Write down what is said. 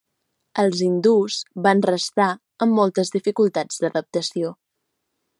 Els hindús van restar amb moltes dificultats d'adaptació.